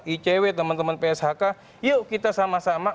icw teman teman pshk yuk kita sama sama